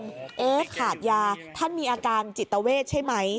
ว่าขาดยาท่านมีอาการจิตเวทใช่ไหม